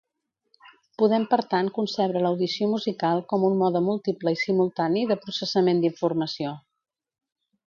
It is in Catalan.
Podem per tant concebre l'audició musical com un mode múltiple i simultani de processament d'informació.